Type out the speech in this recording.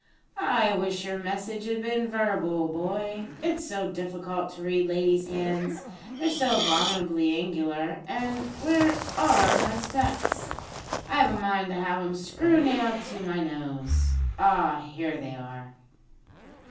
"I wish your message had been verbal, boy. It's so difficult to read ladies' hands; they're so abominably angular, and where are my specs? I've a mind to have 'em screw nailed to my nose. Ah! here they are."